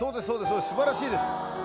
そうです素晴らしいです。